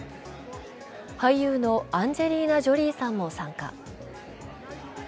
俳優のアンジェリーナ・ジョリーさんも参加。